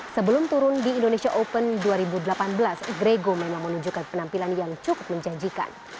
sebelum turun di indonesia open dua ribu delapan belas grego memang menunjukkan penampilan yang cukup menjanjikan